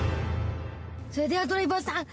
それではドライバーさん。